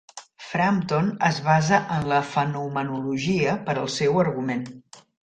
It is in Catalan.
Frampton es basa en la fenomenologia per al seu argument.